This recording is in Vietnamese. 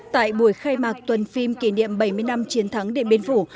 tại buổi khai mạc tuần phim kỷ niệm bảy mươi năm chiến thắng điện biên phủ